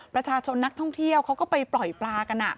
ประชาชนนักท่องเที่ยวเขาก็ไปปล่อยปลากัน